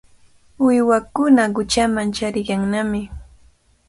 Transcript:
Uywakuna quchaman chaariyannami.